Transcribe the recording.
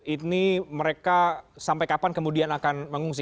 ini mereka sampai kapan kemudian akan mengungsi